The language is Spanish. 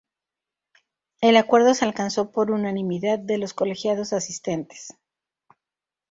El acuerdo se alcanzó por unanimidad de los colegiados asistentes.